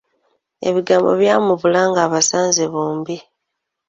Ebigambo byamubula ng'abasanze bombi.